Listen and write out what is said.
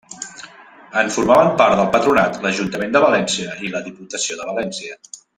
En formaven part del patronat l'Ajuntament de València i la Diputació de València.